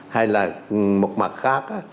hay là một mặt khác